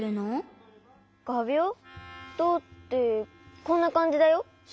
どうってこんなかんじだよ。